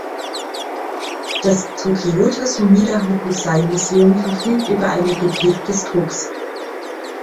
Das Tokyoter Sumida Hokusai Museum verfügt über eine Replik des Drucks.